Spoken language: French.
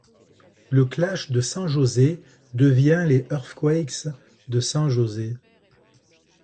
Le Clash de San José devient les Earthquakes de San José.